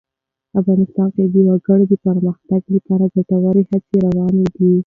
افغانستان کې د وګړي د پرمختګ لپاره ګټورې هڅې روانې دي.